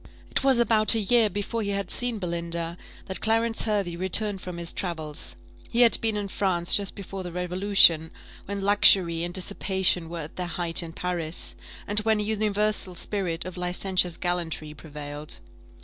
It was about a year before he had seen Belinda that Clarence Hervey returned from his travels; he had been in France just before the Revolution, when luxury and dissipation were at their height in Paris, and when a universal spirit of licentious gallantry prevailed.